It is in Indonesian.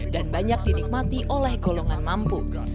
dan banyak didikmati oleh golongan mampu